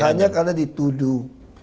hanya karena dituduh